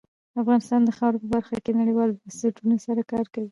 افغانستان د خاوره په برخه کې نړیوالو بنسټونو سره کار کوي.